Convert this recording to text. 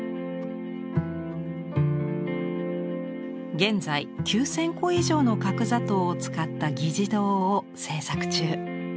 現在９，０００個以上の角砂糖を使った「蟻事堂」を制作中。